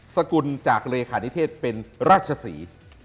สกุลจากเลขานิเทศเป็นราชศรี